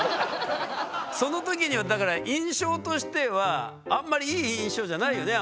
その時にはだから印象としてはあんまりいい印象じゃないよね？